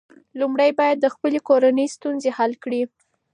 لومړی باید د خپلې کورنۍ ستونزې حل کړې.